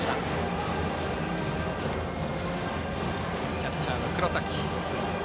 キャッチャーの黒崎。